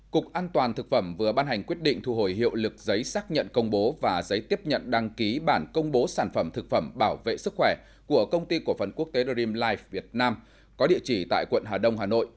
cục an toàn thực phẩm vừa ban hành quyết định thu hồi hiệu lực giấy xác nhận công bố và giấy tiếp nhận đăng ký bản công bố sản phẩm thực phẩm bảo vệ sức khỏe của công ty cổ phần quốc tế dream life việt nam có địa chỉ tại quận hà đông hà nội